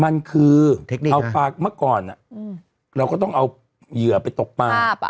มันคือเอาปลาเมื่อก่อนเราก็ต้องเอาเหยื่อไปตกปลา